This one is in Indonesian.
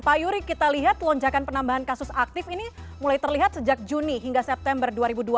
pak yuri kita lihat lonjakan penambahan kasus aktif ini mulai terlihat sejak juni hingga september dua ribu dua puluh